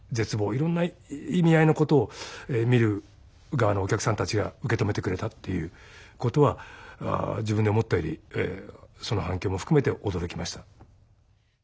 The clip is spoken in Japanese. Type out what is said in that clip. いろんな意味合いのことを見る側のお客さんたちが受け止めてくれたっていうことは自分で思ったよりその反響も含めて驚きました。